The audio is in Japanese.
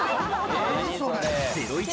『ゼロイチ』